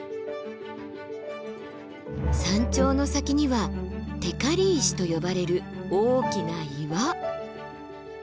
山頂の先には光石と呼ばれる大きな岩。